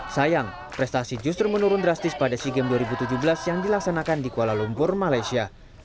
sayang prestasi justru menurun drastis pada sea games dua ribu tujuh belas yang dilaksanakan di kuala lumpur malaysia